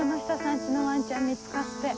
家のワンちゃん見つかって。